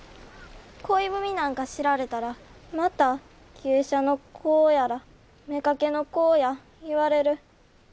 恋文なんか知られたらまた芸者の子やら妾の子や言われる。